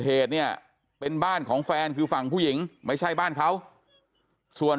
เหตุเนี่ยเป็นบ้านของแฟนคือฝั่งผู้หญิงไม่ใช่บ้านเขาส่วน